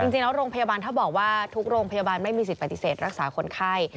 จริงแล้วโรงพยาบาลถ้าบอกว่าทุกโรงพยาบาลไม่มีสิทธิปฏิเสธรักษาคนไข้